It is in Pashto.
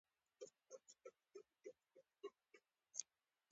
په سلګيو کې يې غږ واېست.